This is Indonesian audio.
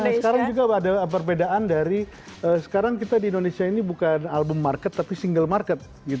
karena sekarang juga ada perbedaan dari sekarang kita di indonesia ini bukan album market tapi single market